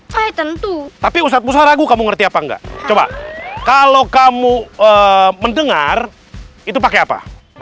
saya tentu tapi ustadz pusat ragu kamu ngerti apa enggak coba kalau kamu mendengar itu pakai apa